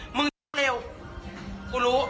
มึงเร็วกูรู้